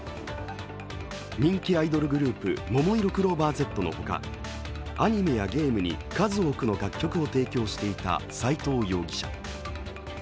人気アイドルグループ、ももいろクローバーＺのほか、アニメやゲームに数多くの楽曲を提供していた斎藤容疑者。